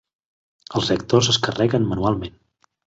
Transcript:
Els reactors es carreguen manualment.